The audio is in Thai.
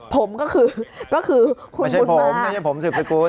ผมก็คือคุณบุญมารักไม่ใช่ผมไม่ใช่ผมสิบสกุล